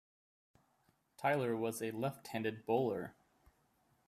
Tyler was a left-handed bowler.